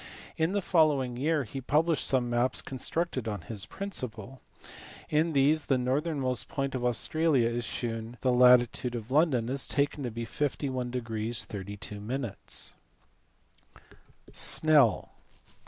In the following year he published some maps constructed on his principle. In these the northernmost point of Australia is shewn: the latitude of London is taken to be 51 32 . Snell.